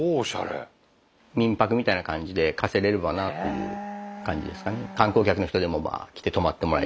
民泊みたいな感じで貸せれればなっていう感じですかね。